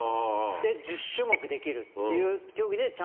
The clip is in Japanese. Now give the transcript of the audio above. １０種目できるっていう競技で。